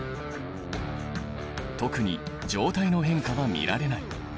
特に状態の変化は見られない。